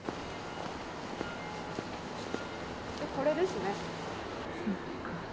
これですね。